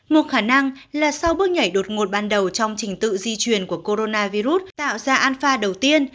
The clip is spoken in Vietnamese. một khả năng là sau bước nhảy đột ngột ban đầu trong trình tự di truyền của coronavirus tạo ra alpha đầu tiên